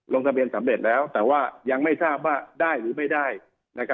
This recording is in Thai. ลงทะเบียนสำเร็จแล้วแต่ว่ายังไม่ทราบว่าได้หรือไม่ได้